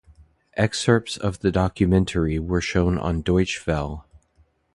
Excerpts of the documentary were shown on Deutsche Welle.